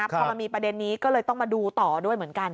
พอมันมีประเด็นนี้ก็เลยต้องมาดูต่อด้วยเหมือนกัน